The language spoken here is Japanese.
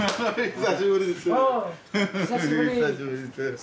久しぶりです。